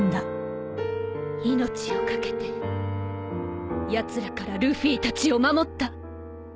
命をかけてやつらからルフィたちを守った。